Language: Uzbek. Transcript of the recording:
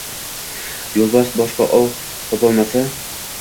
Yo’lbars boshqa ov topolmasa